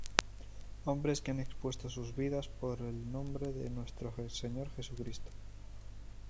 Hombres que han expuesto sus vidas por el nombre de nuestro Señor Jesucristo.